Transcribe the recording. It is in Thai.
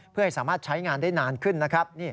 เพื่อให้สามารถใช้งานได้นานขึ้นนะครับ